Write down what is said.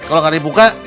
kalo gak dibuka